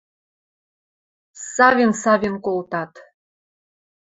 Савен-савен колтат.